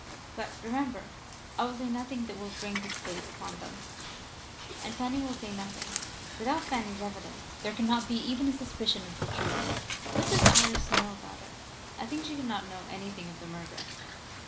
But, remember, I will say nothing that will bring this fate upon them. And Fanny will say nothing. Without Fanny's evidence there cannot be even a suspicion of the truth.' "'What does Iris know about it?' "'I think that she cannot know anything of the murder.